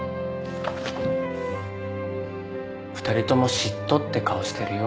２人とも嫉妬って顔してるよ。